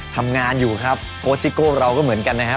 ทำงานอยู่ครับโค้ชซิโก้เราก็เหมือนกันนะฮะ